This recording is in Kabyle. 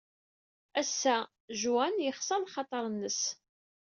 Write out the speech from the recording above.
Ass-a, Juan yexṣer lxaḍer-nnes.